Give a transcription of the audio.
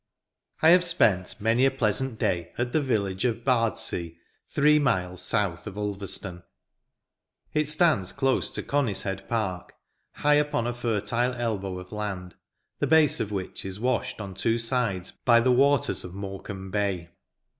I have spent many a pleasant day at the village of Bardsea, three milts south of Ulverstone. It stands close to Conishead Park, high upon a fertile elbow of land, the base of which is washed on two sides by the waters of Morecambe Bay.